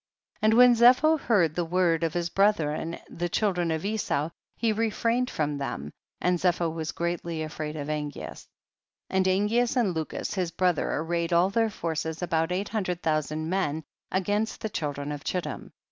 And when Zepho heard the words of his brethren the children of Esau he refrained from them, and Zepho was greatly afraid of Angeas. 21. And Angeas and Lucus his brother arrayed all their forces, about eight hundred thousand men, against the children of Chittim. 22.